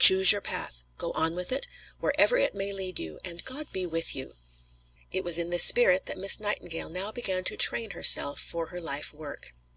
Choose your path, go on with it, wherever it may lead you, and God be with you!" It was in this spirit that Miss Nightingale now began to train herself for her life work.